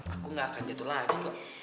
aku gak akan jatuh lagi